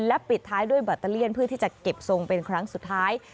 และปิดท้ายด้วยแบตเตอเลี่ยนเพื่อที่จะเก็บทรงเป็นครั้งสุดท้าย